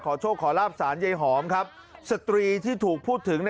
โชคขอลาบสารยายหอมครับสตรีที่ถูกพูดถึง